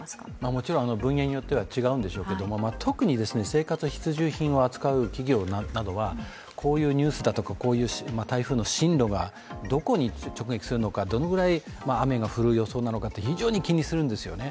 もちろん分野によっては違うと思いますが特に生活必需品を扱う企業などはこういうニュースだとかこういう台風の進路がどこに直撃するのかどのくらい雨が降る予想なのかって非常に気にするんですよね。